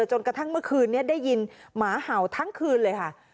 จนกระทั่งเมื่อคืนนี้ได้ยินหมาเห่าทั้งคืนเลยค่ะ